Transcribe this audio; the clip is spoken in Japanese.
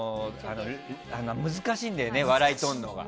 難しいんだよね、笑いとるのが。